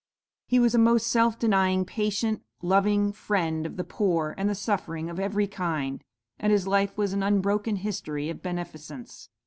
"'He was a most self denying, patient, loving friend of the poor, and the suffering of every kind; and his life was an unbroken history of beneficence.